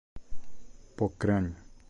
Pocrane